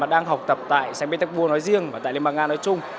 đang học tập tại sai petersburg nói riêng và tại liên bang nga nói chung